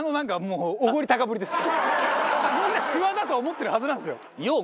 みんなシワだとは思ってるはずなんですよ。